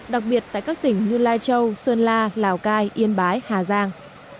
đặc biệt tại các tỉnh như lai châu sơn la lào cai yên bái hà giang